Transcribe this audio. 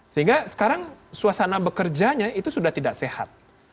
sehingga sekarang suasana bekerjanya itu sudah tidak sehat